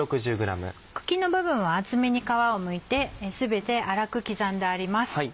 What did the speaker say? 茎の部分は厚めに皮をむいて全て粗く刻んであります。